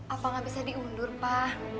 apa nggak bisa diundur pak